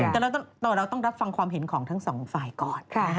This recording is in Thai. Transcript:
แต่เราต้องรับฟังความเห็นของทั้งสองฝ่ายก่อน